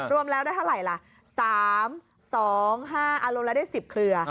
รวมแล้วได้เท่าไหร่ล่ะ๓๒๕อารมณ์แล้วได้๑๐เครือ